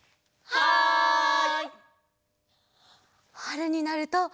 はい！